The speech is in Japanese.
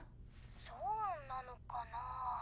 そうなのかなぁ。